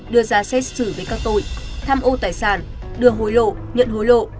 đưa ra xét xử với các tội tham ô tài sản đưa hối lộ nhận hối lộ